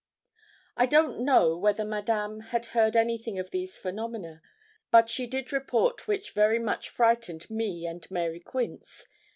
I don't know whether Madame had heard anything of these phenomena; but she did report which very much frightened me and Mary Quince.